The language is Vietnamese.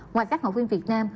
ngoài các học viên việt nam